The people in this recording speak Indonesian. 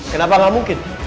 kenapa gak mungkin